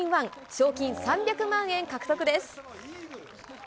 賞金３００万円獲得です。